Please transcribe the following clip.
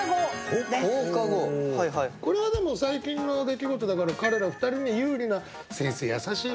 これはでも最近の出来事だから彼ら２人に有利な先生優しいよ。